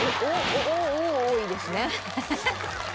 お多いですね。